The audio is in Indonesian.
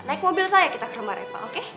naik mobil saya kita ke rumah eva oke